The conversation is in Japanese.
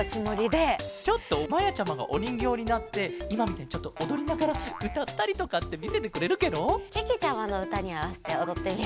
ちょっとまやちゃまがおにんぎょうになっていまみたいにちょっとおどりながらうたったりとかってみせてくれるケロ？けけちゃまのうたにあわせておどってみる？